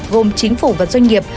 gồm chính phủ và doanh nghiệp